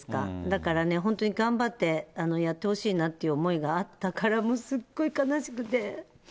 だから本当に頑張ってやってほしいなという思いがあったから、もうすっごい悲しくて。